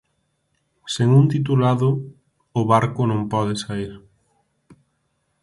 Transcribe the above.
Sen un titulado, o barco non pode saír.